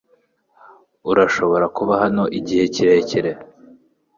Urashobora kuba hano igihe kirekire.